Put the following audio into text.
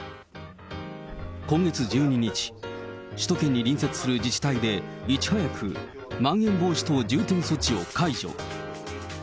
今月１２日、首都圏に隣接する自治体でいち早く、まん延防止等重点措置を解除。